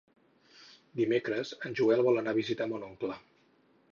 Dimecres en Joel vol anar a visitar mon oncle.